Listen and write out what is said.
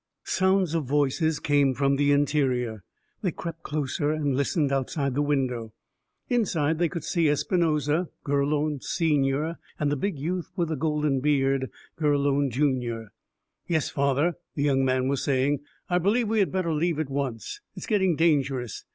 Sounds of voices came from the interior. They crept closer, and listened outside the window. Inside, they could see Espinosa, Gurlone senior, and the big youth with the golden beard, Gurlone junior. "Yes, father," the young man was saying. "I believe we had better leave, at once. It's getting dangerous.